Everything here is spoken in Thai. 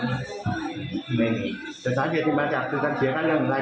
แต่ชั้นเหยียจิลมาจากที่คันเหยียกอย่างไร